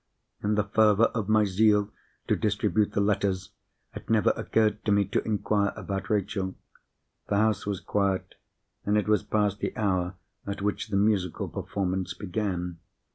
In the fervour of my zeal to distribute the letters, it never occurred to me to inquire about Rachel. The house was quiet, and it was past the hour at which the musical performance began.